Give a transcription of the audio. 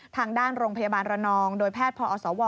ทางด้านโรงพยาบาลระนองโดยแพทย์พอสว